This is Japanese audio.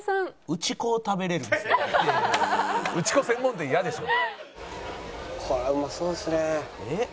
打ち粉専門店嫌でしょ。